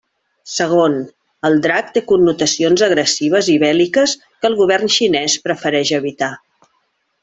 Segon, el drac té connotacions agressives i bèl·liques que el govern xinès prefereix evitar.